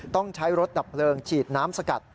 ต้องใช้รถดับเพลิงฉีดน้ำสกัด